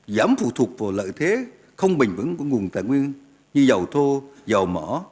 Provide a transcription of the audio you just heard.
giảm phụ thuộc vào lợi thế không bình vững của nguồn tài nguyên như dầu thô dầu mỏ